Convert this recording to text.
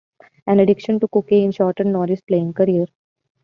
An addiction to cocaine shortened Norris's playing career.